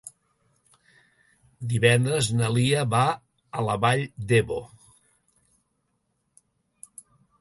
Divendres na Lia va a la Vall d'Ebo.